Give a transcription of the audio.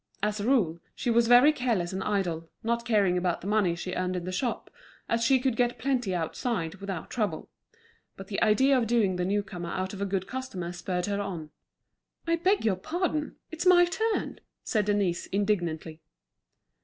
As a rule, she was very careless and idle, not caring about the money she earned in the shop, as she could get plenty outside, without trouble. But the idea of doing the new comer out of a good customer spurred her on. "I beg your pardon, it's my turn," said Denise, indignantly.